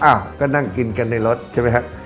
อ้าวก็นั่งกินกันในรถใช่ไหมครับ